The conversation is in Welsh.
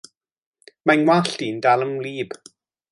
Mae 'ngwallt i'n dal yn wlyb.